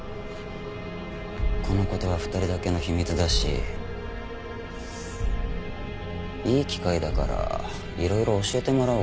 この事は２人だけの秘密だしいい機会だからいろいろ教えてもらおうかな。